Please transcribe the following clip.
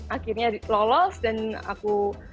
akhirnya lolos dan aku